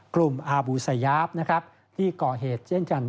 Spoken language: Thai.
กลุ่มอาบูสยาปที่ก่อเหตุเจ้นกัน